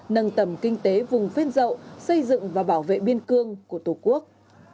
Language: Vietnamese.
nâng tầm kinh tế vùng phiên dậu xây dựng và bảo vệ biên cương của tổ quốc